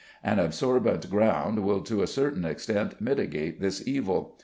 An absorbent ground will to a certain extent mitigate this evil.